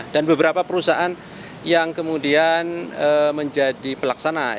dan beberapa perusahaan yang kemudian menjadi pelaksana